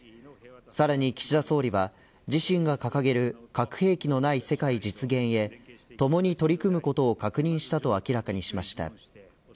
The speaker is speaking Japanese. さらに岸田総理は自身が掲げる核兵器のない世界実現へともに取り組むことを確認したと明らかにしました。